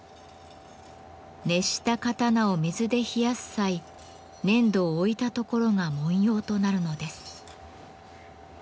熱した刀を水で冷やす際粘土を置いた所が文様となるのです。